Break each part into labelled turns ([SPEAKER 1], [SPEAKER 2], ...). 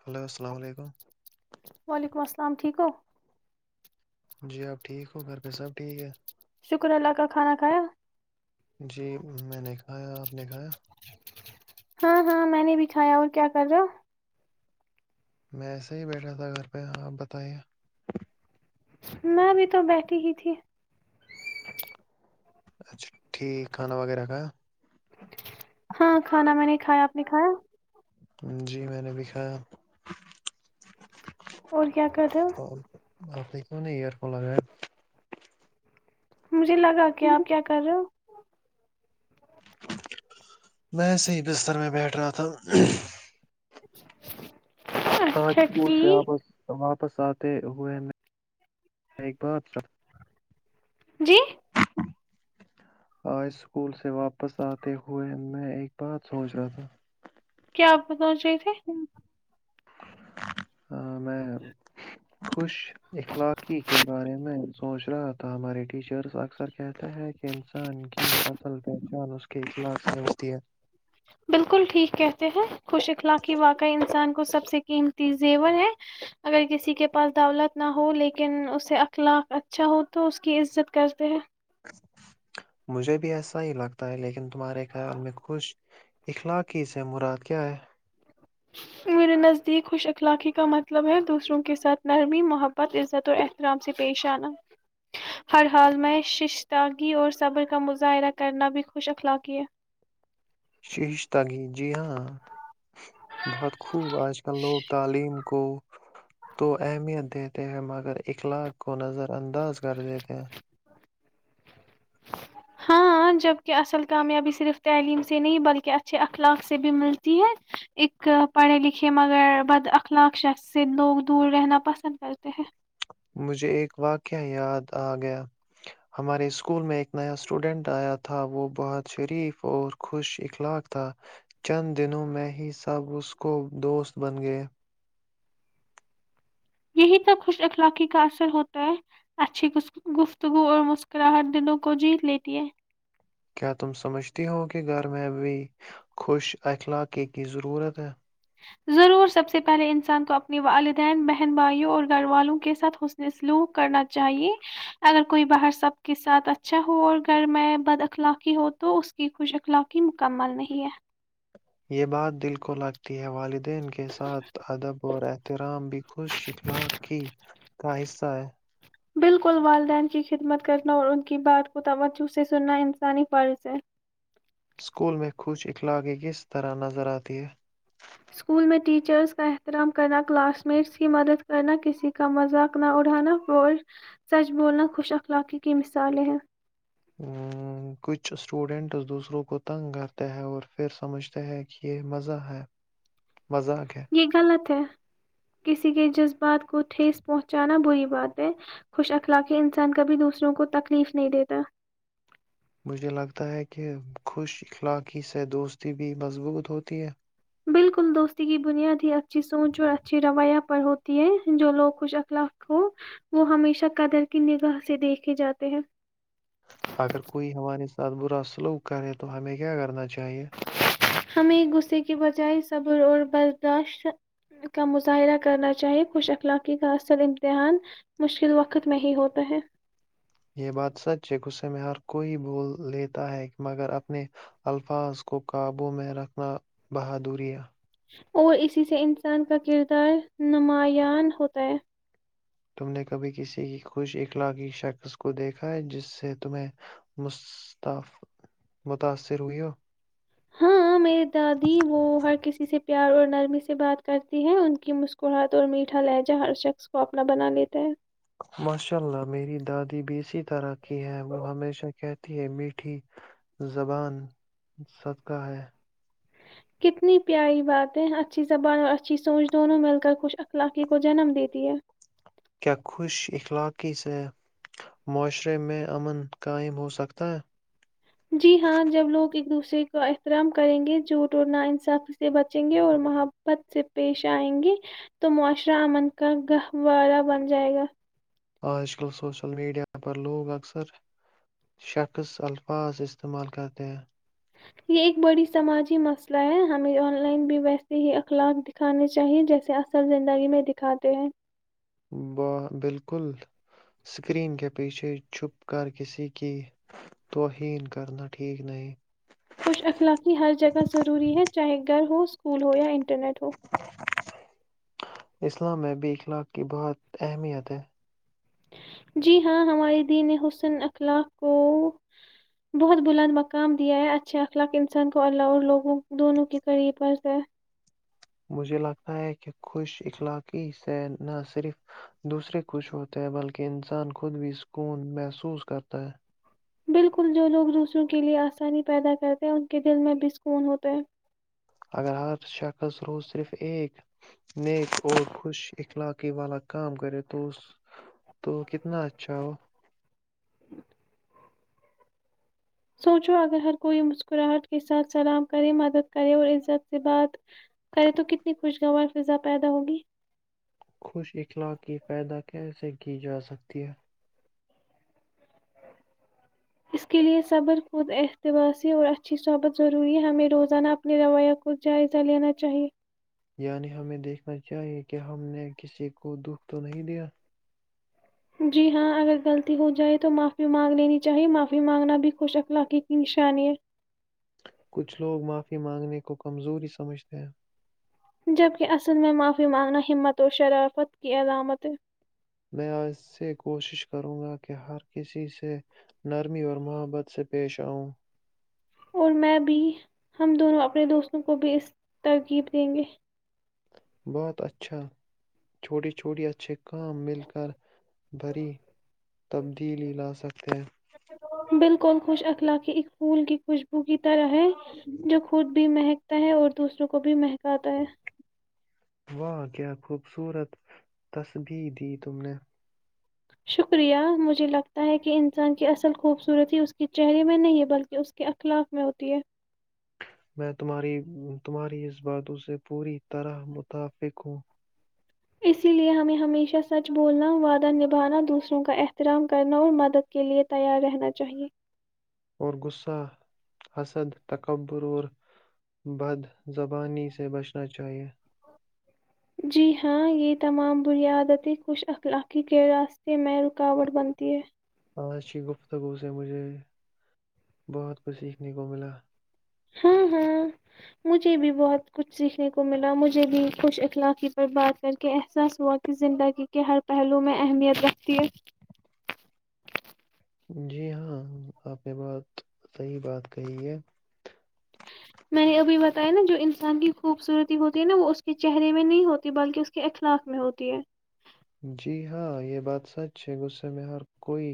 [SPEAKER 1] hello السلام علیکم
[SPEAKER 2] وعلیکم السلام ٹھیک ہو
[SPEAKER 1] جی آپ ٹھیک ہو گھر پہ سب ٹھیک ہے
[SPEAKER 2] شکر اللہ کا کھانا کھایا
[SPEAKER 1] جی میں نے کہا نےکھایا
[SPEAKER 2] ہاں ہاں میں نے بھی کھایا اور کیا کر رہ ہو
[SPEAKER 1] میں ایسے ہی بیٹھا تھا گھر پہ ہاں آپ بتائے
[SPEAKER 2] میں بھی تو بیٹھی ہی تھی
[SPEAKER 1] اچھا ٹھیک کھانا وغیرہ کا
[SPEAKER 2] ہاں کھانا میں نے کھایا آپ نے کھایا
[SPEAKER 1] جی میں نے بھیکھایا
[SPEAKER 2] اور کیا کرو
[SPEAKER 1] آپیک نہیں ایئر فون لگایں
[SPEAKER 2] مجھے لگا کہ آپ کیا کر رہے ہو
[SPEAKER 1] میںسے ہی بستر میں بیٹھ رہا تھا
[SPEAKER 2] [inaudible]
[SPEAKER 1] ہاں
[SPEAKER 2] اچھا
[SPEAKER 1] اسکول سے
[SPEAKER 2] ٹھیک
[SPEAKER 1] آپس س آپ واپس آتے ہوئے میں ایک بات
[SPEAKER 2] جی
[SPEAKER 1] آج اسکول سے واپس آتے ہوئے میں ایک بات سوچ رہا تھا
[SPEAKER 2] کیا [inaudible] سوچ رہے تھے [unintelligible]
[SPEAKER 1] ہاں میں خوش اخلاقی کے بارے میں سوچ رہا تھا ہمارے ٹیچرس اکثر کہتے ہے کہ انسان کی اصل پہچان اس کے اخلاق میں ہوتی ہے
[SPEAKER 2] بالکل ٹھیک کہتے ہیں خوش اخلاقی واقعہ انسان کو سب سے قیمتی زیور ہے اگر کسی کے پاس دولت نہ ہو لیکن اس سے اخلاق اچھا ہو تو اس کی عزت کرتے ہیں
[SPEAKER 1] مجھے بھی ایسا ہی لگتا ہے لیکن تمہارے خیال میں خوش اخلاقی سے مراد کیا ہے
[SPEAKER 2] میرے نزدیک خوش اخلاقی کا مطلب ہے دوسروں کے ساتھ نرمی محبت عزت اور احترام سے پیش آنا ہر حال میں ششتاگی اور صبر کا مظاہرہ کرنا بھی خوش اخلاقی ہے
[SPEAKER 1] شیش تگی جی ہاں بہت خوب آج کل لوگ تعلیم کو تو اہمیت دیتے ہیں مگر اخلاق کو نظر انداز کر دیتے ہیں
[SPEAKER 2] ہاں ہاں جبکہ اصل کامیابی صرف تعلیم سے نہیں بلکہ اچھے اخلاق سے بھی ملتی ہے ایک پڑھے لکھے مگر بد اخلاق شخص سے لوگ دور رہنا پسند کرتے ہیں
[SPEAKER 1] مجھے ایک واقعہ یاد آ گیا ہمارے اسکول میں ایک نیا اسٹوڈنٹ آیا تھا وہ بہت شریف اور خوش اخلاق تھا چند دنوں میں ہی سب اس کو دوست بن گئ
[SPEAKER 2] یہی تو خوش اخلاقی کا اثر ہوتا ہے اچھی گس گفتگو اور مسکراہٹ دلوں کو جیت لیتی ہے
[SPEAKER 1] کیا تم سمجھتی ہو کہ گھر میں ابھی خوش اخلاقی کی ضرورت ہے
[SPEAKER 2] ضرور سب سے پہلے انسان کو اپنے والدین بہن بھائیوں اور گھر والوں کے ساتھ حسن سلوک کرنا چاہیے اگر کوئی باہر سب کے ساتھ اچھا ہو اور گھر میں بد اخلاقی ہو تو اس کی خوش اخلاقی مکمل نہیں ہے
[SPEAKER 1] یہ بات دل کو لگتی ہے، والدین کے ساتھ ادب اور احترام بھی خوش اخلای کا حصہ ہے
[SPEAKER 2] بالکل والدین کی خدمت کرنا اور ان کی بات کو توجہ سے سننا انسانی فرض ہے
[SPEAKER 1] سکول میں خوش اخلاقی کس طرح نظر آتی ہے
[SPEAKER 2] اسکول میں ٹیچرز کا احترام کرنا کلاس میٹس کی مدد کرنا کسی کا مذاق نہ اڑھانا اور سچ بولنا خوش اخلاقی کی مثالیں ہیں
[SPEAKER 1] کچھ اسٹوڈنٹس دوسروں کو تنگ کرتے ہیں اور پھر سمجھتے ہیں کہ یہ مزہ ہے مذاق ہے
[SPEAKER 2] یہ غلط ہے کسی کے جذبات کو ٹھیس پہنچانا بری بات ہے خوش اخلاقی انسان کبھی دوسروں کو تکلیف نہیں دیتا
[SPEAKER 1] مجھے لگتا ہے کہ خوش اخلاقی سے دوستی بھی مضبوط ہوتی ہے
[SPEAKER 2] بالکل دوستی کی بنیاد ہی اچھی سوچ اور اچھھی رویہ پر ہوتی ہے جو لوگ خوش اخلاق ہو وہ ہمیشہ قدر کی نگاہ سے دیکھے جاتے ہیں
[SPEAKER 1] اگر کوئی ہمارے ساتھ برا سلوک کرے تو ہمیں کیا کرنا چاہیے
[SPEAKER 2] ہمیں غصے کی بجائے صبر اور برداشت کا مظاہرہ کرنا چاہیے خوش اخلاقی کا اصل امتحان مشکل وقت میں ہی ہوتا ہے
[SPEAKER 1] یہ بات سچ ہے غصے میں ہر کوئی بھول لیتا ہے مگر اپنے الفاظ کو قابومیں رکھنا بہادری ہے
[SPEAKER 2] اور اسی سے انسان کا کردار نمایان ہوتا ہے
[SPEAKER 1] تم نے کبھی کسی کی خوش اخلاقی شخص کو دیکھا ہے جس سے تمہیں مستا متاثر ہوئی ہو
[SPEAKER 2] ہاں میں دادی وہ ہر کسی سے پیار اور نرمی سے بات کرتی ہے ان کی مسکراہٹ اور میٹھا لہجہ ہر شخص کو اپنا بنا لیتا ہے
[SPEAKER 1] ماشاء اللہ میری دادی بھی اسی طرح کی ہے وہ ہمیشہ کہ یہ میٹھی زبان صدقہ ہے
[SPEAKER 2] کتنی پیاری باتیں اچھی زبان اور اچھی سوچ دونوں مل کر خوش اخلاقی کو جنم دیتی ہیں
[SPEAKER 1] کیا خوش اخلاقی سے معاشرے میں امن قائم ہو سکتا ہے
[SPEAKER 2] کو احترام کریں گے جھوٹ اور ناانصافی سے بچیں گے اور محبت سے پیش آئیں گے تو معاشرہ امن کا گہوارہ بن جائے گا
[SPEAKER 1] آج کل سوشل میڈیا پر لوگ اکثر شخص الفاظ استعمال کرتے ہیں
[SPEAKER 2] یہ ایک بڑی سماجی مسئلہ ہے ہمیں آن لائن بھی ویسے ہی اخلاق دکھانے چاہیے جیسے اصل زندگی میں دکھاتے ہیں
[SPEAKER 1] ب بالکل سکرین کے پیچھے چھپ کر کسی کی توہین کرنا ٹھیک نہیں
[SPEAKER 2] خوش اخلاقی ہر جگہ ضروری ہے چاہے گھر ہو سکول ہو یا انٹرنیٹ ہو
[SPEAKER 1] اسلام میں بھی اخلاق کی بہت اہمیت ہے
[SPEAKER 2] جی ہاں ہمارے دین حسن اخلاق کو بہت بلند مقام دیا ہے اچھے اخلاق انسان کو اللہ اور لوگوں دونوں کے قریب پر
[SPEAKER 1] مجھے لگتا ہے کہ خوش اخلاقی سے نہ صرف دوسرے خوش ہوتے ہیں بلکہ انسان خود بھی سکون محسوس کرتا ہے
[SPEAKER 2] بالکل جو لوگ دوسروں کے لیئے آسانی پیدا کرتے ہیں ان کے دل میں بھی سکون ہوتا ہے
[SPEAKER 1] اگر آر شخص رو صرف ایک نیک اور خوش اخلاقی والا کام کرے تو تو کتنا اچھا وہ
[SPEAKER 2] سوچو اگر ہر کوئی مسکراہٹ کے ساتھ سلام کرے مدد کرے اور عزت سے بات کرے تو کتنی خوشگوار فضا پیدا ہوگی
[SPEAKER 1] خوش اخلاق کی پائیدا کیسے کی جا سکتی دیہ
[SPEAKER 2] اس کے لیے صبر خود احتبا سے اور اچھی صحبت ضروری ہے ہمیں روزانہ اپنے رویہ کو جائزہ لینا چاہیے
[SPEAKER 1] یعنی ہمیں دیکھنا چاہیے کہ ہم نے کسی کو دکھ تو نہیں دیا
[SPEAKER 2] جی ہاں اگر غلطی ہو جائے تو معافی مانگ لینی چاہی معافی مانگنا بھی خوش اخلاقی کی نشانی ہے
[SPEAKER 1] کچھ لوگ ماں مانگنے کو کمزوری سمجھتے ہیں
[SPEAKER 2] جبک اصل میں معافی مانگنا ہمت اور شرافت کی علامتیں
[SPEAKER 1] میں اس سے کوشش کروں گا کہ ہر کسی سے نرمی اور محبت سے پیش آؤں
[SPEAKER 2] اور میں بھی ہم دونوں اپنے دوستوں کو بھی اس ترغیب دیں گے
[SPEAKER 1] بہت اچھا چھوٹی چھوٹی اچ اچھے کام مل کر بھری تبدیلی لا سکتے ہیں
[SPEAKER 2] کے ایک پھول کی خوشبو کی طرح ہے جو خود بھی محک ت اور دوسروں کو بھی مہکاتا ہے
[SPEAKER 1] واہ کیا خوبصورت تصبیح دی تم نے
[SPEAKER 2] شکریہ مجھے لگتا ہے کہ انسان کی اصل خوبصورتی اس کے چہرے میں نہیں بلکہ اس کے اخلاق میں ہوتی ہے
[SPEAKER 1] میں تمہاری تمہاری اس باتوں سے پوری طرح متفق ہوں
[SPEAKER 2] اسی لے ہمیں ہمیشہ سچ بولنا وعدہ نبھانا دوسروں کا احترام کرنا اور مدد کےلئے تیار رہنا چاہیئے
[SPEAKER 1] اور غصہ حسد تکبر اور بد زبانی سے بچنا چاہیے
[SPEAKER 2] جی ہاں یہ تمام بنیادتی خوش اخلاقی کے راستے میں رکاوٹ بنتی ہے
[SPEAKER 1] آشی گفتگو سے مجھے بہت کچھ سیکھنے کو ملا
[SPEAKER 2] ہاں ہاں مجھے بھی بہت کچھ سیکھنے کو ملا مجھے بھی خوش اخلاقی پر بات کر کے احساس ہوا کہ زندگی کے ہر پہلو میں اہمیت رکھتی ہے
[SPEAKER 1] جی ہاں آپ نے بہت صحیح بات کہی ہے
[SPEAKER 2] میں نے ابھی بتایا نا جو انسان کی خوبصورتی ہوتی ہے نا وہ اس کے چہرے میں نہیں ہوتی بلکہ اس کے اخلاق میں ہوتی ہے
[SPEAKER 1] جی ہاں یہ بات سچ ہے غصے میں ہر کوئی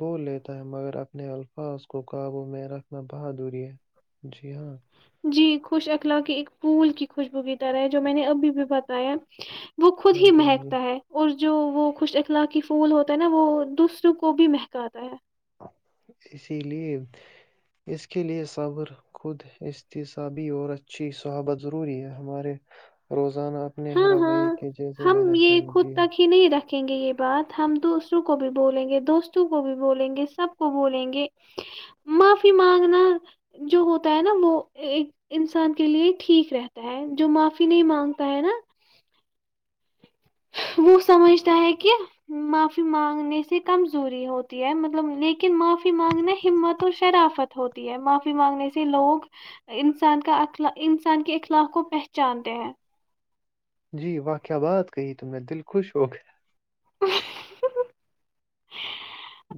[SPEAKER 1] بول لیتا ہے مگر اپنے الفاظ کو قابو میں رکھنا بہت دوری ہے جی ہاں
[SPEAKER 2] جی خوش اخلاق کی ایک پھول کی خوشبووی طرح ہے جو میں نے ابھی بھی بتایا وہ خود
[SPEAKER 1] ہاں
[SPEAKER 2] ہی
[SPEAKER 1] جی ہاں جی
[SPEAKER 2] مہکتا ہے اور جو وہ خوش اخلاق پھول ہوتا ہے نا وہ دوسروں کو بھی مہکاتا ہے
[SPEAKER 1] اسی لیے اس کے لیے صر خود احتصابی اور اچھی صحابت ضروری ہے ہمارے روز اپنے
[SPEAKER 2] ہاں
[SPEAKER 1] ہرویے
[SPEAKER 2] ہاں
[SPEAKER 1] کے جیسے لینا چاہئے جی
[SPEAKER 2] ریں گے یہ بات ہم دوسروں کو بھی بولیں گے دوستوں کو بھی بولیں گے سب کو بولیں گے معافی مانگنا جو ہوتا ہے نا وہ انسان کے لیے ٹھیک رہتا ہے جو معافی نہیں مانگتا ہے نا [inaudible] وہ سمجھتا ہے کہ معافی مانگنے سے کمزوری ہوتی ہے مطلب لیکن معافی مانگنا ہمت اور شرافت ہوتی ہے معافی مانگنے سے لوگ انسان کا اخ انسان کے اخلاق کو پہچانتے ہیں
[SPEAKER 1] جی واقع بات کہی تمہیں دل خوش ہو گیا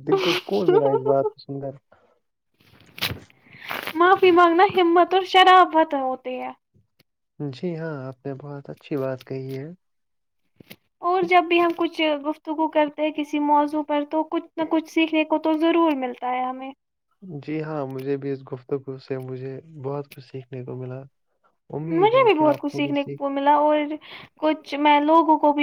[SPEAKER 1] دال کو سکن ملا اس بات کو سنندر
[SPEAKER 2] معافی مانگنا ہمت اور شراب پت ہوتے ہیں
[SPEAKER 1] جی ہاں آپ نے بہت اچھی بات کہی ہے
[SPEAKER 2] اور جب بھی ہم کچھ گ تگو کرتے ہیں کسی موضوع پر تو کچھ نہ کچھ سیکھنے کو تو ضرور ملتا ہے ہمیں
[SPEAKER 1] جی ہاں مجھے بھی اس گفتگو سے مجھے بہت کچھ سیکھنے کو ملا امید
[SPEAKER 2] مجھے
[SPEAKER 1] ہے
[SPEAKER 2] بھی
[SPEAKER 1] کہ
[SPEAKER 2] بہت
[SPEAKER 1] آپ
[SPEAKER 2] کچھ
[SPEAKER 1] کو بھی
[SPEAKER 2] سیکھنے
[SPEAKER 1] سیکھ
[SPEAKER 2] ملا اور کچھ میں لوگوں کو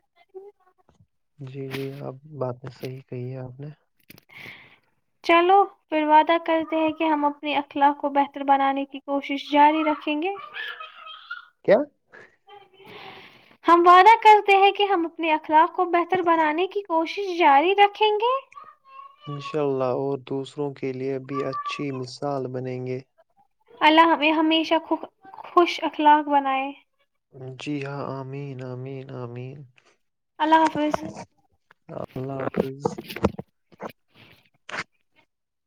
[SPEAKER 2] [inaudible]
[SPEAKER 1] جی جی آپ باتیں صحیح کہی ہے آپ نے
[SPEAKER 2] چلو پھر وعدہ کرتے ہیں کہ ہم اپنی اخلاق کو بہتر بنانے کی کوشش جاری رکھیں گے
[SPEAKER 1] کیا [unintelligible]
[SPEAKER 2] ہم وعدہ کرتے ہیں کہ ہم اپنے اخلاق کو بہتر بنانے کی کوشش جاری رکھیں گے
[SPEAKER 1] انشاء اللہ اور دوسروں کے لیے بھی اچھی مثال بنیں گے
[SPEAKER 2] اللہ نے ہمیشہ خ خوش اخلاق بنائے
[SPEAKER 1] جی ہاں آمین امین آمین
[SPEAKER 2] اللہ حافظ
[SPEAKER 1] اللہ حافظ
[SPEAKER 2] [unintelligible]